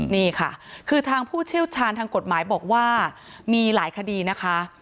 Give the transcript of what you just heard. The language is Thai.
นี่ค่ะคือทางผู้เชี่ยวชาญทางกฎหมายบอกว่ามีหลายคดีนะคะ